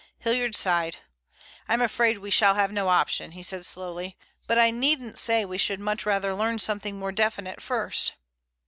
Hilliard sighed. "I'm afraid we shall have no option," he said slowly, "but I needn't say we should much rather learn something more definite first."